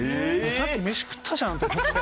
さっき飯食ったじゃんと思って。